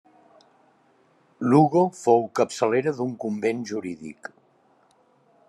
Lugo fou capçalera d'un convent jurídic.